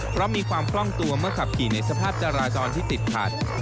เพราะมีความคล่องตัวเมื่อขับขี่ในสภาพจราจรที่ติดขัด